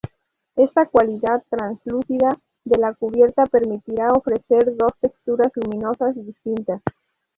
Esta cualidad translúcida de la cubierta permitirá ofrecer dos texturas luminosas distintas.